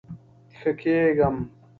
ښه کیږم